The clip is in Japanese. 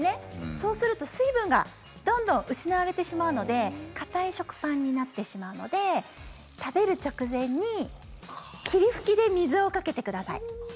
そうすると水分がどんどん失われてしまうので硬い食パンになってしまうので食べる直前に霧吹きで水をかけてください。